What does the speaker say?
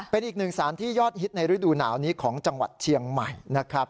เป็นอีกหนึ่งสารที่ยอดฮิตในฤดูหนาวนี้ของจังหวัดเชียงใหม่นะครับ